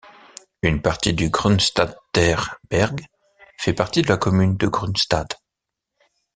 Une partie du Grünstadter Berg fait partie de la commune de Grünstadt.